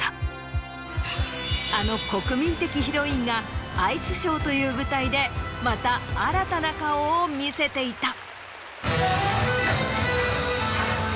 あの国民的ヒロインがアイスショーという舞台でまた新たな顔を見せていた。